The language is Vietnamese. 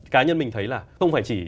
cá nhân mình thấy là không phải chỉ